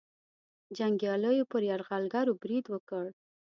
جنګیالیو پر یرغلګرو برید وکړ.